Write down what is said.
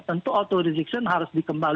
tentu auto rediction harus dikembangkan